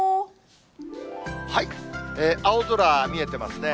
青空、見えてますね。